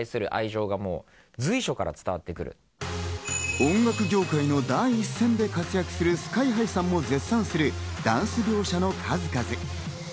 音楽業界の第一線で活躍するＳＫＹ−ＨＩさんも絶賛する、ダンス描写の数々。